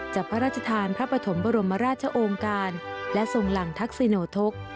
พระราชทานพระปฐมบรมราชองค์การและทรงหลังทักษิโนทก